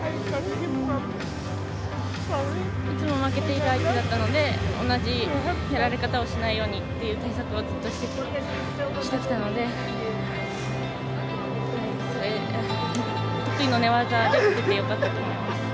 いつも負けていた相手だったので同じやられ方をしないようにという対策をずっとしてきたので得意の寝技で勝てて良かったと思います。